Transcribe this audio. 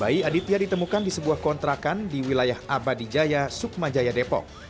bayi aditya ditemukan di sebuah kontrakan di wilayah abadi jaya sukmajaya depok